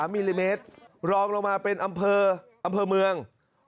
มิลลิเมตรรองลงมาเป็นอำเภออำเภอเมือง